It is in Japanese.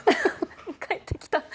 返ってきた。